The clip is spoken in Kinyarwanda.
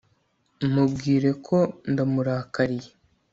Mubwire ko ndamurakariye